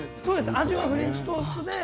フレンチトーストで。